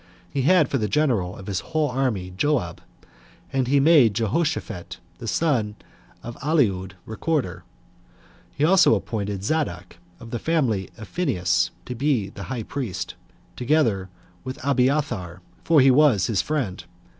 He had for the general of his whole army Joab; and he made Jehoshaphat, the son of Ahilud, recorder. He also appointed Zadok, of the family of Phinehas, to be high priest, together with Abiathar, for he was his friend.